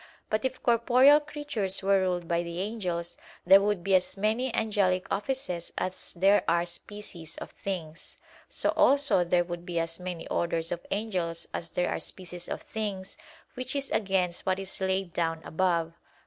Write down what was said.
But if corporeal creatures were ruled by the angels, there would be as many angelic offices as there are species of things. So also there would be as many orders of angels as there are species of things; which is against what is laid down above (Q.